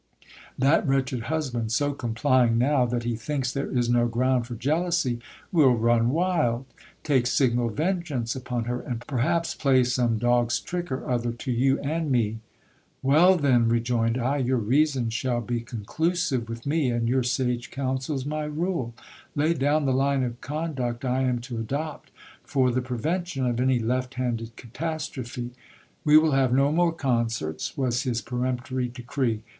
That ;vretched husband, so complying now that he thinks there is no ground for jealousy, will run wild, take signal vengeance upon her, and perhaps play some dog's trick or other to you and me. Well, then ! rejoined I, your reasons 64 GIL BLAS. shall be conclusive with me, and your sage counsels my rule. Lay down the line of conduct I am to adopt for the prevention of any left handed catastrophe. We will have no more concerts, was his peremptory decree.